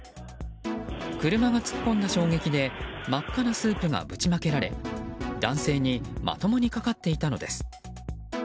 車が突っ込んだ衝撃で真っ赤なスープがぶちまけられ男性にまともにかかっていたのです。